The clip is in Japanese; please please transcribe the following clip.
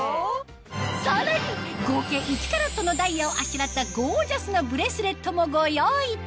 さらに合計１カラットのダイヤをあしらったゴージャスなブレスレットもご用意